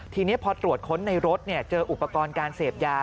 ทีนี้พอตรวจค้นในรถเจออุปกรณ์การเสพยา